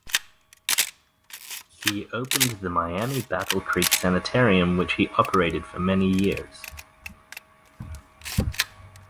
He opened the Miami Battle Creek Sanitarium which he operated for many years.